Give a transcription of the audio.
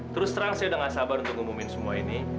terus terang saya udah gak sabar untuk ngumumin semua ini